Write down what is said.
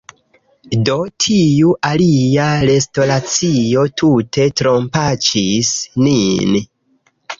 Do, tiu alia restoracio tute trompaĉis nin!